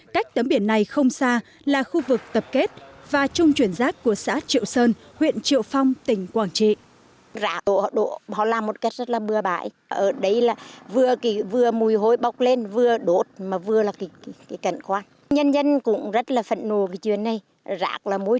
cách tấm biển này không xa là khu vực tập kết và trung chuyển rác của xã triệu sơn huyện triệu phong tỉnh quảng trị